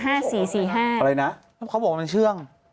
อะไรนะเขาบอกว่ามันเชื่อง